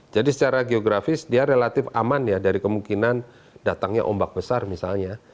jadi secara geografis dia relatif aman ya dari kemungkinan datangnya ombak besar misalnya